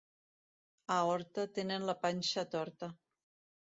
A Horta tenen la panxa torta.